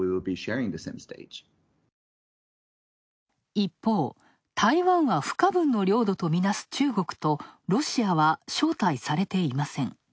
一方、台湾は不可分の領土とみなす中国とロシアは招待されていません。